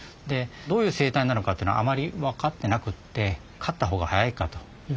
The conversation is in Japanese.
どういう生態なのかっていうのはあまり分かってなくって飼った方が早いかという事で。